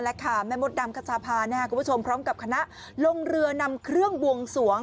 แล้วแม่มดทำก็จะพาคุณผู้ชมพร้อมกับคณะลงเรือนำเครื่องบวงสวง